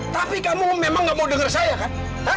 tapi kamu memang gak mau dengar saya kan